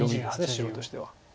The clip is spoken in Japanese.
白としては。